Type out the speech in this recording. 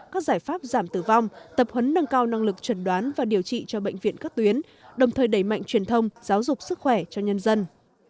các giải pháp giảm tử vong tập huấn nâng cao năng lực trần đoán và điều trị cho bệnh viện các tuyến đồng thời đẩy mạnh truyền thông giáo dục sức khỏe cho nhân dân